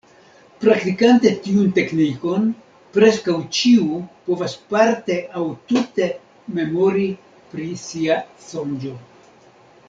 Praktikante tiun teknikon, preskaŭ ĉiu povas parte aŭ tute memori pri sia sonĝo.